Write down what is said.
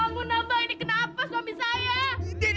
bangun abang jangan tinggalin umi